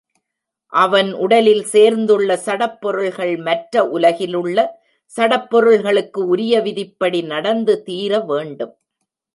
அவன் உடலில் சேர்ந்துள்ள சடப் பொருள்கள் மற்ற உலகிலுள்ள சடப் பொருள்களுக்கு உரிய விதிப்படி நடந்து தீர வேண்டும்.